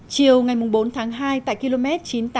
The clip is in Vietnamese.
chiều bốn tháng hai tại kmh